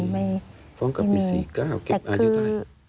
แต่คือ